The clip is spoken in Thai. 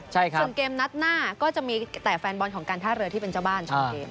ส่วนเกมนัดหน้าก็จะมีแต่แฟนบอลของการท่าเรือที่เป็นเจ้าบ้านทำเกม